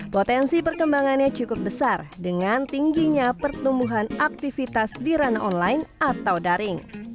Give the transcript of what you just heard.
potensi perkembangannya cukup besar dengan tingginya pertumbuhan aktivitas di ranah online atau daring